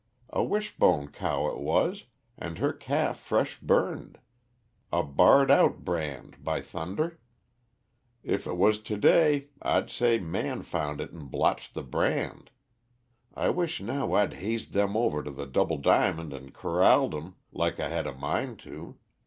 A Wishbone cow it was, and her calf fresh burned a barred out brand, by thunder! If it was to day, I'd, say Man found it and blotched the brand. I wish now I'd hazed them over to the Double Diamond and corralled 'em, like I had a mind to.